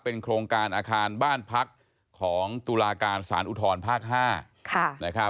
โครงการอาคารบ้านพักของตุลาการสารอุทธรภาค๕